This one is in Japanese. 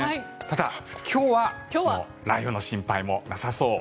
ただ、今日は雷雨の心配もなさそう。